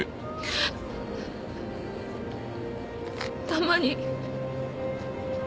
たまに。